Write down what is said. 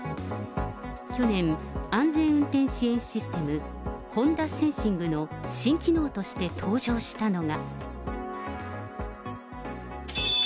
去年、安全運転支援システム、ホンダ・センシングの新機能として登場したのが。